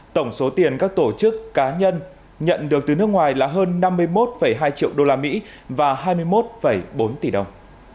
tổng số tiền các tổ chức cá nhân nhận được từ nước ngoài là hơn năm mươi một hai triệu usd và hai mươi một bốn tỷ đồng